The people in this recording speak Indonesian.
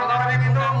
ada yang tahu pak